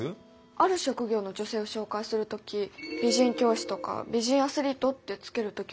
ある職業の女性を紹介する時「美人教師」とか「美人アスリート」って付ける時がありますよね。